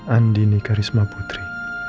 andini karisma putri